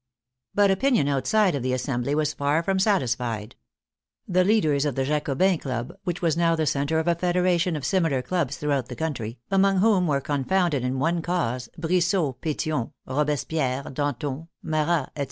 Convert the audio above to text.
But opinion outside of the Assembly was far from satisfied. The leaders of the Jacobin Club (^wliich was now the center of a federation of similar clubs through out the country), among whom were confounded in one cause, Brissot, Petion, Robespierre, Danton, Marat, etc.